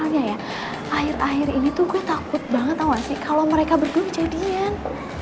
soalnya ya akhir akhir ini tuh gue takut banget tau gak sih kalo mereka berdua kejadian